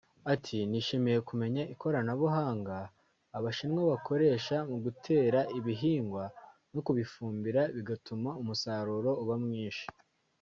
Ati “Nishimiye kumenya ikoranabuhanga Abashinwa bakoresha mu gutera ibihingwa no kubifumbira bigatuma umusaruro uba mwishi